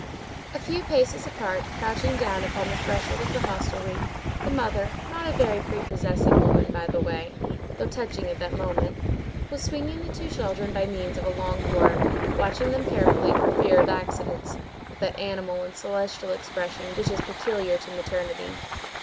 A few paces apart, crouching down upon the threshold of the hostelry, the mother, not a very prepossessing woman, by the way, though touching at that moment, was swinging the two children by means of a long cord, watching them carefully, for fear of accidents, with that animal and celestial expression which is peculiar to maternity.